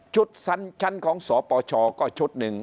ชั้นของสปชก็ชุดหนึ่ง